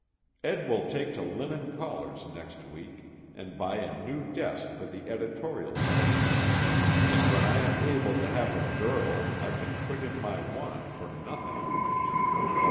Ed will take to linen collars next week, and buy a new desk for the editorial sanctum; and when I am able to have a "girl," I can put in my "want" for nothing.